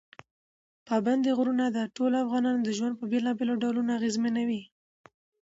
پابندي غرونه د ټولو افغانانو ژوند په بېلابېلو ډولونو اغېزمنوي.